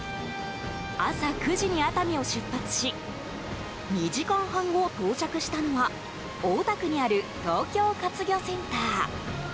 朝９時に熱海を出発し２時間半後、到着したのは大田区にある東京活魚センター。